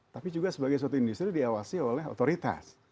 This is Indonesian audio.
tapi juga sebagai suatu industri diawasi oleh otoritas